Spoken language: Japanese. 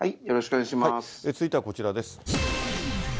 続いてはこちらです。